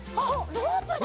ロープだ！